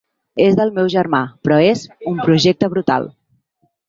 És del meu germà, però és un projecte brutal.